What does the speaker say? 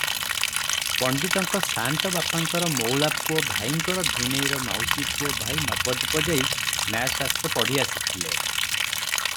ପଣ୍ତିତଙ୍କ ସାଆନ୍ତବାପାଙ୍କର ମଉଳା ପୁଅ ଭାଇଙ୍କର ଭିଣୋଇର ମାଉସୀପୁଅ ଭାଇ ନବଦ୍ୱୀପ ଯାଇ ନ୍ୟାୟଶାସ୍ତ୍ର ପଢ଼ି ଆସିଥିଲେ ।